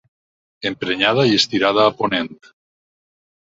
Emprenyada i estirada a Ponent.